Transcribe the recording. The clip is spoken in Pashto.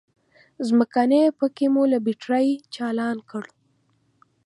ځمکنی پکی مو له بترۍ چالان کړ.